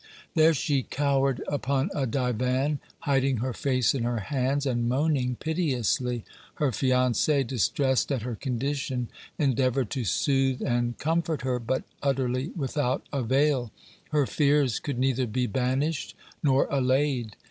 There she cowered upon a divan, hiding her face in her hands and moaning piteously. Her fiancé, distressed at her condition, endeavored to soothe and comfort her, but utterly without avail; her fears could neither be banished nor allayed.